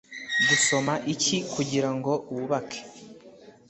Gusoma Icyi kugirango wubake